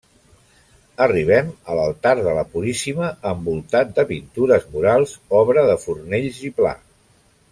Arribem a l'altar de la Puríssima envoltat de pintures murals obra de Fornells i Pla.